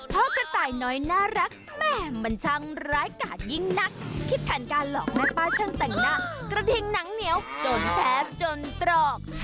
กระต่ายน้อยน่ารักแม่มันช่างร้ายกาดยิ่งนักคิดแผนการหลอกแม่ป้าช่างแต่งหน้ากระทิงหนังเหนียวจนแทบจนตรอก